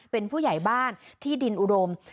เป็นผู้ใหญ่บ้านที่ดินอุดม